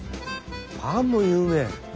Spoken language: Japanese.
パンも有名？